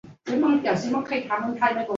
从此开启影像与音乐创作之路。